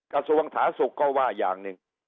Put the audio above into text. กศสุกก็ว่าอย่างนึง